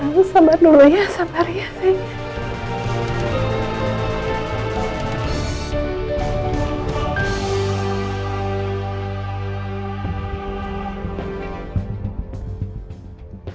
aku sabar dulu ya sabar ya sayang